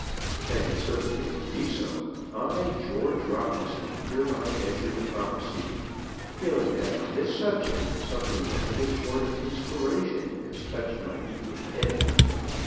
That it certainly will be so I, George Robinson, hereby venture to prophesy, feeling that on this subject something but little short of inspiration has touched my eager pen.